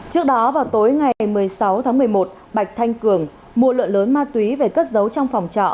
trước đó vào tối ngày một mươi sáu tháng một mươi một bạch thanh cường mua lượng lớn ma túy về cất giấu trong phòng trọ